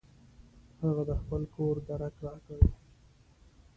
هغه د خپل کور درک راکړ.